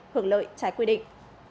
hưởng lợi trái quy định